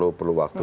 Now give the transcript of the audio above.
nah itu perlu waktu